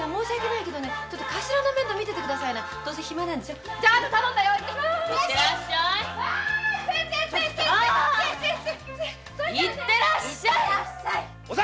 いってらっしゃいませ。